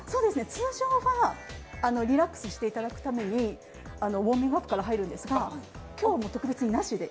通常はリラックスしていただくためにウォーミングアップから入るんですけど、今日は特別に、なしで。